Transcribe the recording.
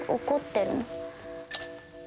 怒ってるの？